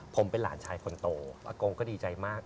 ผมเป็นหลานชายคนโตอากงก็ดีใจมาก